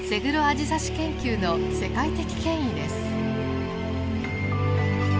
アジサシ研究の世界的権威です。